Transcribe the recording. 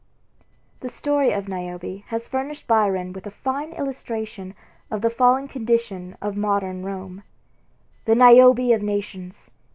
The story of Niobe has furnished Byron with a fine illustration of the fallen condition of modern Rome: "The Niobe of nations!